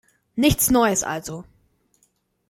Nichts Neues also.